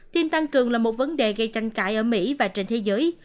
tin tăng cường là một vấn đề gây tranh cãi ở mỹ và trên thế giới